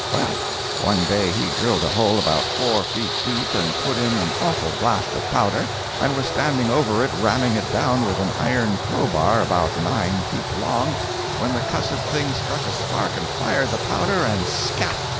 Well, one day he drilled a hole about four feet deep and put in an awful blast of powder, and was standing over it ramming it down with an iron crowbar about nine foot long, when the cussed thing struck a spark and fired the powder, and scat!